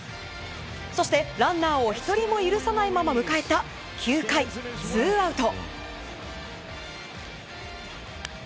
そして、ランナーを１人も許さないまま迎えた９回、ツーアウト。